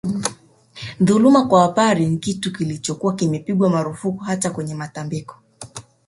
Dhuluma kwa Wapare ni kitu kilichokuwa kimepigwa marufuku hata kwenye matambiko